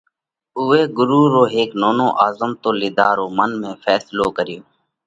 اُوئہ ڳرُو رو هيڪ ننڪو آزمتو لِيڌا رو منَ ۾ ڦينصلو ڪريو۔